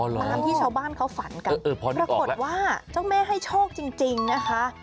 ตามที่ชาวบ้านเขาฝันกันปรากฏว่าเจ้าแม่ให้โชคจริงนะคะ